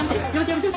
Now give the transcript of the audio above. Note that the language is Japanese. やめて！